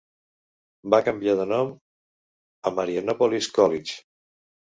Va canviar de nom a Marianopolis College.